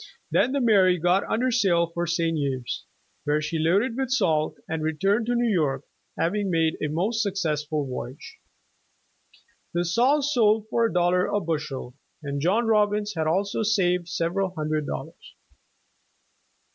Then the "Mary" got under sail for St. Ubes, wher j she loaded with salt and returned to New York, having made a most successful voyage. The salt sold for a dollar a bushel, and John Robbins had also saved sever al hundred dollars.